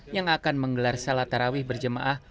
yang akan menggelar salat tarawih berjemaah